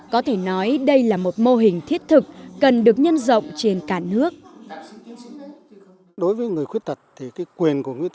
có thể nói đây là một mô hình thiết thực cần được nhân rộng trên cả nước